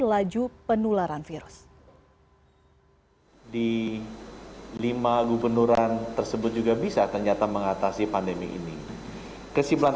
laju penularan virus di lima gubernuran tersebut juga bisa ternyata mengatasi pandemi ini kesimpulan